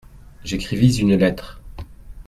J’écrivis une lettre.